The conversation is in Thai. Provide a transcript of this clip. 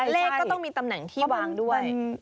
เลขก็ต้องมีตำแหน่งที่วางด้วย